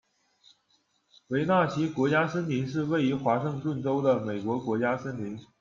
韦纳奇国家森林是位于华盛顿州的美国国家森林。